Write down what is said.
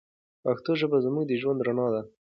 پښتو ژبه زموږ د ژوند رڼا ده.